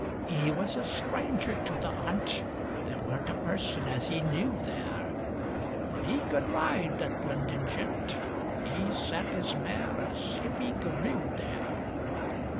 'E was a stranger to the 'Unt, There weren't a person as 'e knew there; But 'e could ride, that London gent— 'E sat 'is mare as if 'e grew there.